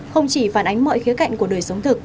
không chỉ phản ánh mọi khía cạnh của đời sống thực